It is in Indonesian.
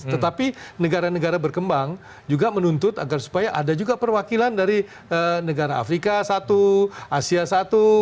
tetapi negara negara berkembang juga menuntut agar supaya ada juga perwakilan dari negara afrika satu asia satu